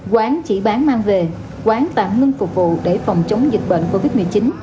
quán chỉ bán mang về quán tạm ngưng phục vụ để phòng chống dịch bệnh covid một mươi chín